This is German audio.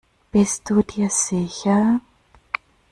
Bist du dir sicher?